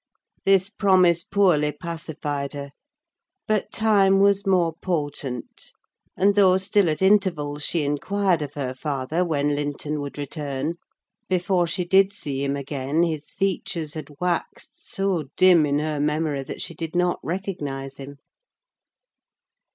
This promise poorly pacified her; but time was more potent; and though still at intervals she inquired of her father when Linton would return, before she did see him again his features had waxed so dim in her memory that she did not recognise him.